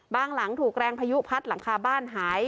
หลังถูกแรงพายุพัดหลังคาบ้านหาย